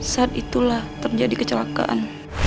saat itulah terjadi kecelakaan